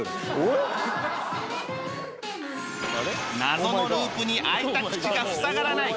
謎のループに開いた口が塞がらない